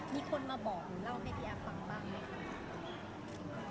มีคนมาบอกหรือเล่าให้พี่แอฟฟังบ้างไหมคะ